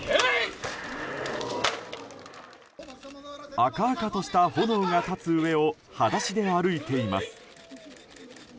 赤々とした炎が立つ上をはだしで歩いています。